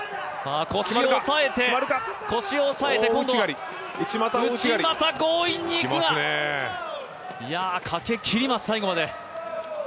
腰を押さえて内股、強引に行くがかけきります、最後まで。